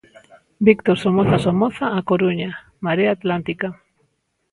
Víctor Somoza Somoza, A Coruña: Marea Atlántica.